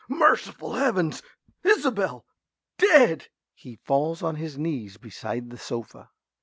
_) Merciful heavens! Isobel! Dead! (_He falls on his knees beside the sofa.